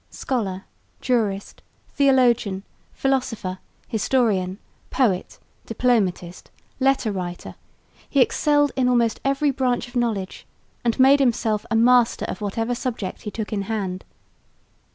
Scholar, jurist, theologian, philosopher, historian, poet, diplomatist, letter writer, he excelled in almost every branch of knowledge and made himself a master of whatever subject he took in hand.